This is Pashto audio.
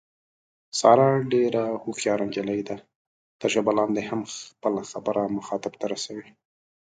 ساره ډېره هوښیاره نجیلۍ ده، تر ژبه لاندې هم خپله خبره مخاطب ته رسوي.